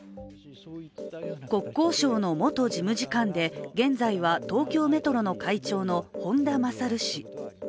国交省の元事務次官で、現在は東京メトロの会長の本田勝氏。